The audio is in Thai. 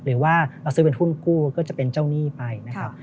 หรือว่าเราซื้อเป็นหุ้นกู้ก็จะเป็นเจ้าหนี้ไปนะครับ